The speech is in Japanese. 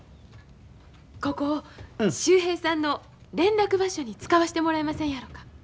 ここを秀平さんの連絡場所に使わしてもらえませんやろか。